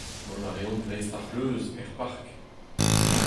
Mont a reont dreist ar c'hleuz, er park.